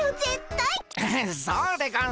うんそうでゴンス。